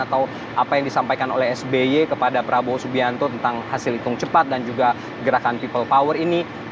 atau apa yang disampaikan oleh sby kepada prabowo subianto tentang hasil hitung cepat dan juga gerakan people power ini